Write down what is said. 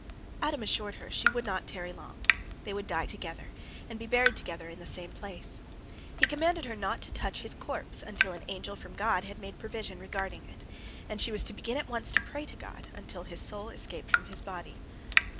Adam assured her she would not tarry long. They would die together, and be buried together in the same place. He commanded her not to touch his corpse until an angel from God had made provision regarding it, and she was to begin at once to pray to God until his soul escaped from his body.